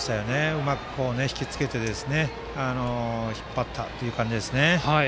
うまく引きつけて引っ張ったという感じですね。